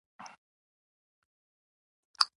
له نږدې او لرې کلیو څخه خلک واده ته را وغوښتل شول.